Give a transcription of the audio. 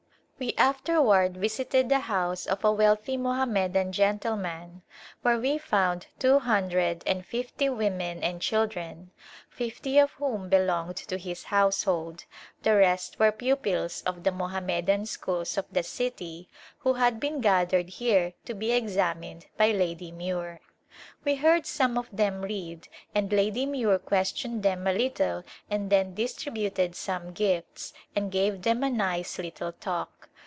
We afterward visited the house of a wealthy Mo hammedan gentleman where we found two hundred and fifty women and children, fifty of whom belonged to his household ; the rest were pupils of the Moham medan schools of the city who had been gathered here to be examined by Lady Muir. We heard some of them read and Lady Muir questioned them a little and then distributed some gifts, and gave them a nice little talk.